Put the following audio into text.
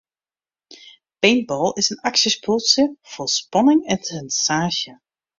Paintball is in aksjespul fol spanning en sensaasje.